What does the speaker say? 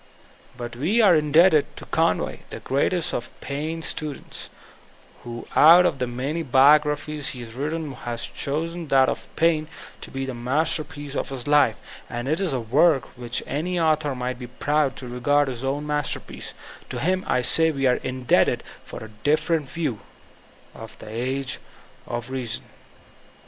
But we are indebted to Conway, the great est of Paine students, who out of the many biograi^ies he has written has chosen that of Paine to be the master piece of his life (and it is a work which any author nugfat be proud to regard his master piece), to him I say we are indebted for a different view of the ''Age of Reason."